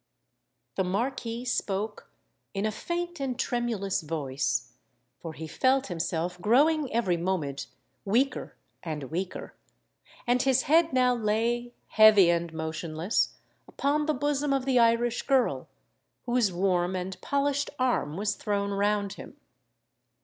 The Marquis spoke in a faint and tremulous voice, for he felt himself growing every moment weaker and weaker; and his head now lay, heavy and motionless, upon the bosom of the Irish girl, whose warm and polished arm was thrown around him.